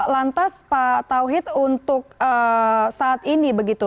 lantas pak tauhid untuk saat ini begitu